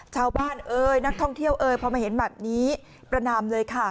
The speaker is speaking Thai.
เอ้ยนักท่องเที่ยวเอยพอมาเห็นแบบนี้ประนามเลยค่ะ